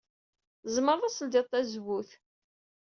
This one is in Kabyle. Tzemreḍ ad tledyeḍ tazewwut.